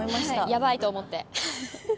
やばいと思って。